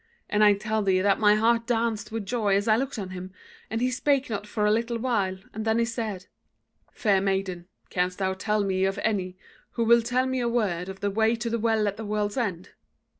And I tell thee that my heart danced with joy as I looked on him, and he spake not for a little while, and then he said: 'Fair maiden, canst thou tell me of any who will tell me a word of the way to the Well at the World's End?'